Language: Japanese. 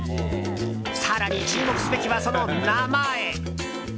更に、注目すべきはその名前。